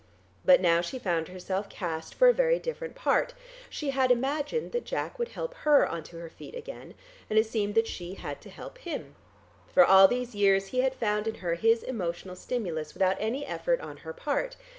But now she found herself cast for a very different part; she had imagined that Jack would help her on to her feet again, and it seemed that she had to help him. For all these years he had found in her his emotional stimulus without any effort on her part.